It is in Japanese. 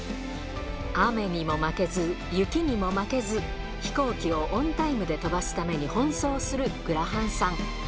雨にも負けず、雪にも負けず、飛行機をオンタイムで飛ばすために奔走するグラハンさん。